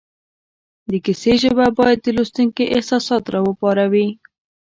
د کیسې ژبه باید د لوستونکي احساسات را وپاروي